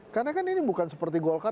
karena kan ini bukan seperti golkar